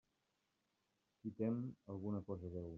Qui tem, alguna cosa deu.